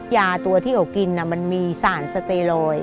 ยาตัวที่เขากินมันมีสารสเตรอย